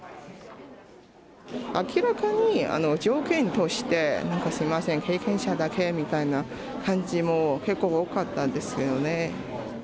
明らかに条件としてなんかすみません、経験者だけみたいな感じも結構多かったんですけどね。